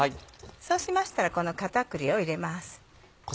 そうしましたらこの片栗を入れます。